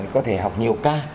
có thể học nhiều ca